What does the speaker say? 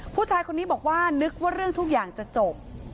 ผู้ชายคนนี้บอกว่านึกว่าเรื่องทุกอย่างจะจบ